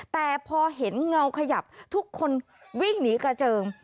แต่พอเห็นเงาขยับทุกคนวิ่งหนีกระเจิง